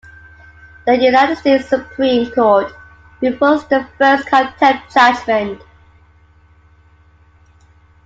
The United States Supreme Court reversed the first contempt judgment.